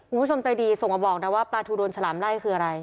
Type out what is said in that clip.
คุณผู้ชมใจดีส่งมาบอกนะว่าปลาทูโดนฉลามไล่คืออะไร